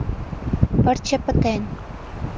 — Пырче пытен!